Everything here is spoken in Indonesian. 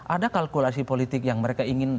ada kalkulasi politik yang mereka inginkan